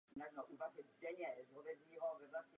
Deset let se živil jako podnikatel.